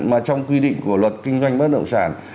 mà trong quy định của luật kinh doanh bất động sản